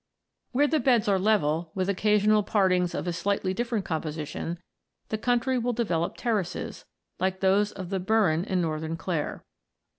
Where the beds are level, with occasional partings of a slightly different composition, the country will develop terraces, like those of the Burren in northern Clare.